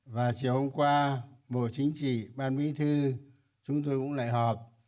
và chiều hôm qua bộ chính trị ban bí thư chúng tôi cũng lại họp